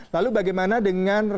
lalu bagaimana dengan realitasnya